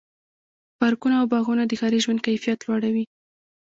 پارکونه او باغونه د ښاري ژوند کیفیت لوړوي.